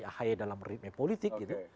pak haye dalam ritme politik gitu